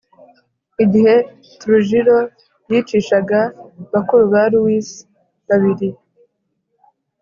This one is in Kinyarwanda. Igihe trujillo yicishaga bakuru ba luis babiri